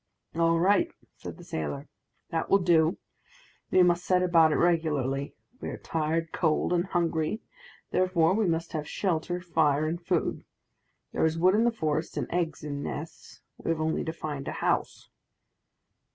"All right," said the sailor; "that will do. We must set about it regularly. We are tired, cold, and hungry; therefore we must have shelter, fire, and food. There is wood in the forest, and eggs in nests; we have only to find a house."